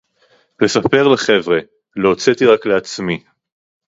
לספר לחבר'ה: לא הוצאתי רק לעצמי